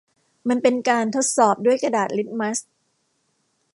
มันเป็นการทดสอบด้วยกระดาษลิตมัส